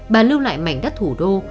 bà lưu lại mảnh đất thủ đô